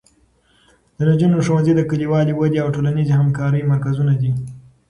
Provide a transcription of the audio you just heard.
د نجونو ښوونځي د کلیوالو ودې او ټولنیزې همکارۍ مرکزونه دي.